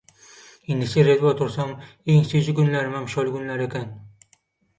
Indi seredip otursam iň süýji günlerimem şol günler eken.